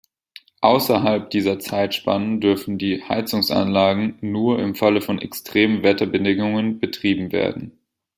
Außerhalb dieser Zeitspannen dürfen die Heizungsanlagen nur im Falle von extremen Wetterbedingungen betrieben werden.